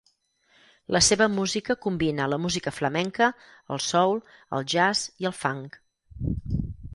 La seva música combina la música flamenca, el soul, el jazz i el funk.